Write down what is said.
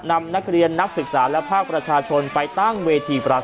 นำนักเรียนนักศึกษาและภาคประชาชนไปตั้งเวทีประก